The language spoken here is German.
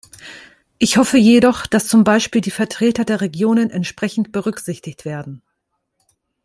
Ich hoffe jedoch, dass zum Beispiel die Vertreter der Regionen entsprechend berücksichtigt werden.